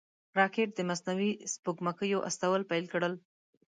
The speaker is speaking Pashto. راکټ د مصنوعي سپوږمکیو استول پیل کړل